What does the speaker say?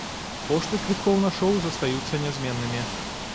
Кошты квіткоў на шоў застаюцца нязменнымі.